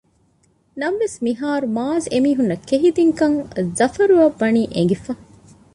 ނަމަވެސް މިހާރު މާޒް އެމީހުންނަށް ކެހި ދިންކަން ޒަފަރުއަށް ވާނީ އެނގިފަ